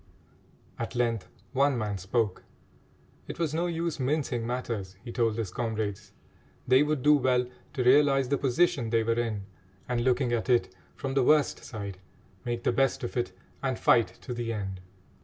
At length one man spoke. It was no use mincing matters, he told his comrades. They would do well to realise the position they were in, and, looking at it from the worst side, make the best of it and fight to the end.